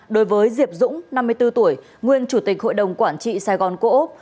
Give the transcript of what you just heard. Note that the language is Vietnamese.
đối với diệp dũng năm mươi bốn tuổi nguyên chủ tịch hội đồng quản trị sài gòn cổ úc